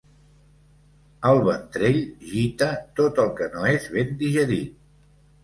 El ventrell gita tot el que no és ben digerit.